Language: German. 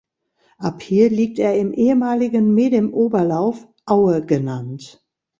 Ab hier liegt er im ehemaligen Medem-Oberlauf, Aue genannt.